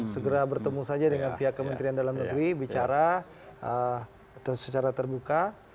segera bertemu saja dengan pihak kementerian dalam negeri bicara secara terbuka